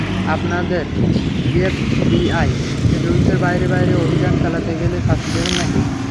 আপনাদের এফবিআই এর রুলসের বাইরে বাইরে অভিযান চালাতে গেলে শাস্তি দেবেন নাকি?